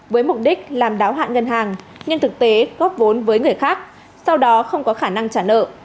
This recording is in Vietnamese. với mục đích làm đáo hạn ngân hàng nhưng thực tế góp vốn với người khác sau đó không có khả năng trả nợ